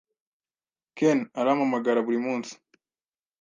Ken arampamagara buri munsi.